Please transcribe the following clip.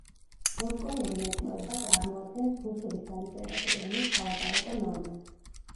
მოსკოვური მეტყველება წარმოადგენს რუსული სალიტერატურო ენის სალაპარაკო ნორმას.